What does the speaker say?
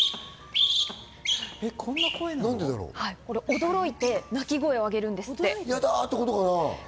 驚いて鳴き声をあげるんですって。